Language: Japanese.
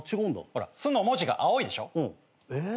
ほら「す」の文字が青いでしょ。え？